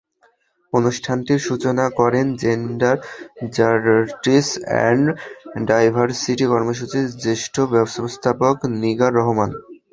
অনুষ্ঠানটির সূচনা করেন জেন্ডার জাস্টিস অ্যান্ড ডাইভারসিটি কর্মসূচির জ্যেষ্ঠ ব্যবস্থাপক নিগার রহমান।